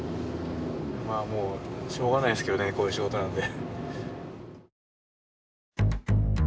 もうしょうがないですけどねこういう仕事なんで。